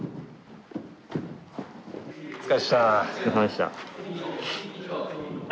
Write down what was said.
お疲れさまでした。